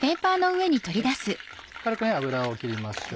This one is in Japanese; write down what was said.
軽く油を切りましょう。